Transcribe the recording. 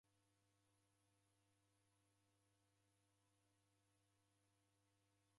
Mrongo inya na iw'i